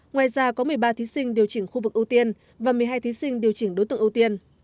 ngoài ra có một mươi ba thí sinh điều chỉnh khu vực ưu tiên và một mươi hai thí sinh điều chỉnh đối tượng ưu tiên